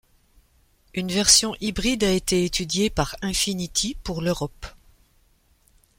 Une version hybride a été étudiée par Infiniti pour l'Europe.